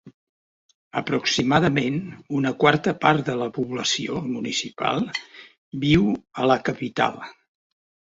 Aproximadament una quarta part de la població municipal viu a la capital.